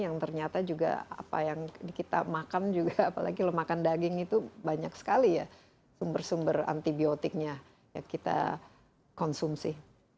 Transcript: yang ternyata juga apa yang kita makan juga apalagi kalau makan daging itu banyak sekali ya sumber sumber antibiotiknya yang kita konsumsi